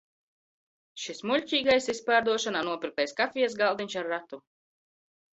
Šis muļķīgais izpārdošanā nopirktais kafijas galdiņš ar ratu!